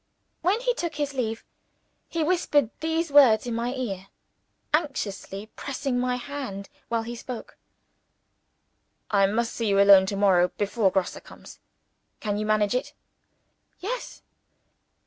When he took his leave, he whispered these words in my ear; anxiously pressing my hand while he spoke: "I must see you alone to morrow, before Grosse comes. Can you manage it?" "Yes."